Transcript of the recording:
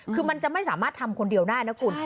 คือมันจะไม่สามารถทำคนเดียวได้นะคุณ